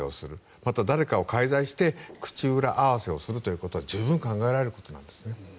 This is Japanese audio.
また誰かを介在して口裏合わせをすることは十分考えられることですね。